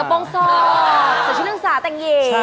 กระโปรงศอดสดชื่อหนึ่งศาแต่งเย็ง